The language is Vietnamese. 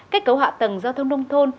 kết cấu hạ tầng giao thông nông thôn